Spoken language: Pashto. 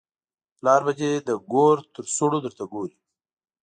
پلار به دې د ګور تر سوړو درته ګوري.